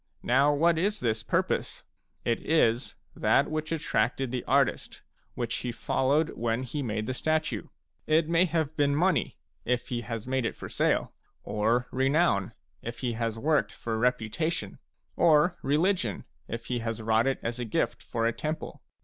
Now what is this purpose ? It is that which attracted the artist, which he followed when he made the statue. It may have been money, if he has made it for sale ; or renown, if he has worked for reputation ; or religion, if he has wrought it as a gift for a temple.